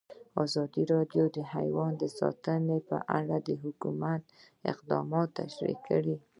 ازادي راډیو د حیوان ساتنه په اړه د حکومت اقدامات تشریح کړي.